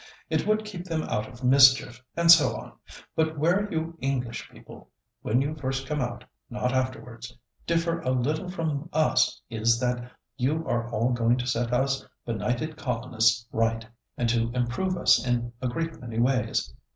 It would keep them out of mischief, and so on. But where you English people—when you first come out, not afterwards—differ a little from us is that you are all going to set us benighted colonists right, and to improve us in a great many ways.